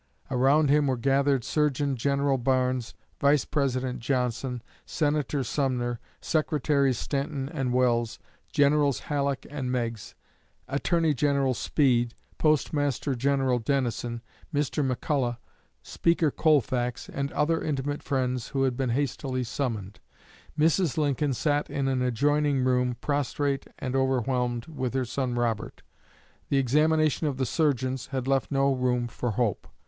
Around him were gathered Surgeon General Barnes, Vice President Johnson, Senator Sumner, Secretaries Stanton and Welles, Generals Halleck and Meigs, Attorney General Speed, Postmaster General Dennison, Mr. McCulloch, Speaker Colfax, and other intimate friends who had been hastily summoned. Mrs. Lincoln sat in an adjoining room, prostrate and overwhelmed, with her son Robert. The examination of the surgeons had left no room for hope.